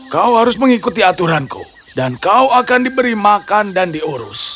kau harus mengikuti aturanku dan kau akan diberi makan dan diurus